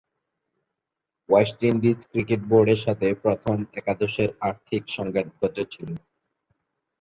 West Indies cricket বোর্ডের সাথে প্রথম একাদশের আর্থিক সংঘাত ঘটেছিল।